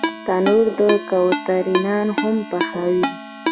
تنور د کوترې نان هم پخوي